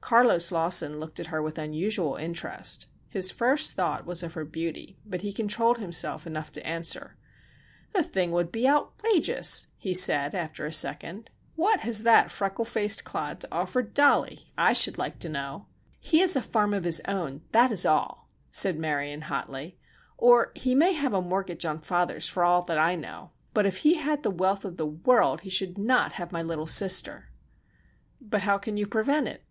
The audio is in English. Carlos Lawson looked at her with unusual interest. His first thought was of her beauty but he controlled himself enough to answer: "The thing would be outrageous!" he said after a second; "what has that freckle faced clod to offer Dollie, I should like to know!" "He has a farm of his own, that is all," said Marion, hotly; "or he may have a mortgage on father's, for all I know, but if he had the wealth of the world he should not have my little sister!" "But how can you prevent it?"